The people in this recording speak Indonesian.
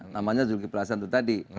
namanya zulkifli hasan itu tadi